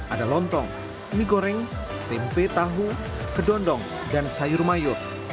ada lontong mie goreng tempe tahu kedondong dan sayur mayur